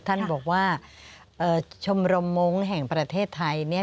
ท่านบอกว่าชมรมมงค์แห่งประเทศไทยเนี่ย